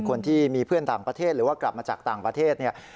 คนที่มีเพื่อนต่างประเทศหรือว่ากลับมาจากต่างประเทศเนี่ย